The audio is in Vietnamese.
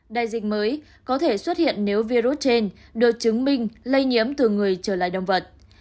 đại dịch mới có thể xuất hiện nếu virus trên được chứng minh lây nhiễm từ người trở lại động vật